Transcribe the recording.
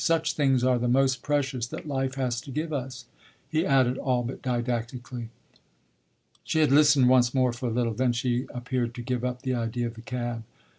"Such things are the most precious that life has to give us," he added all but didactically. She had listened once more for a little; then she appeared to give up the idea of the cab.